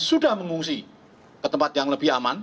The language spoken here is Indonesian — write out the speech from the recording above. sudah mengungsi ke tempat yang lebih aman